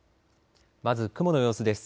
まず雲の様子です。